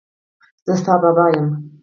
زه ستا بابا یم.